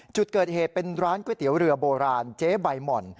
จุดเกิดเหตุเป็นร้านก๋วยเตี๋ยวเรือโบราณเจ๊ใบหม่อน